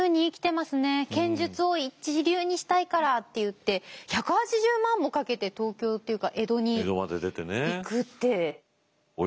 剣術を一流にしたいからって言って１８０万もかけて東京っていうか江戸に行くって。